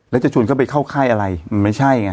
แล้วจะชวนเข้าไปเข้าค่ายอะไรมันไม่ใช่ไง